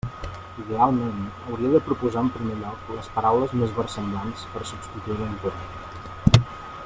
Idealment, hauria de proposar en primer lloc les paraules més versemblants per substituir la incorrecta.